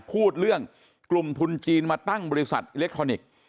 พูดเรื่องกลุ่มทุนจีนมาตั้งบริษัทอิเล็กทรอนิกส์